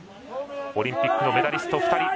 オリンピックのメダリスト２人。